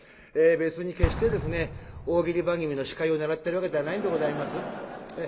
別に決して大喜利番組の司会を狙ってるわけではないんでございます。